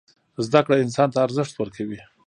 زدکړه انسان ته ارزښت ورکوي.